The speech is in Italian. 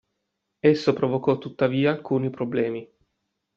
Esso provocò tuttavia alcuni problemi.